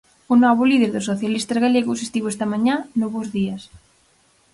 O novo líder dos socialistas galegos estivo esta mañá no Bos Días.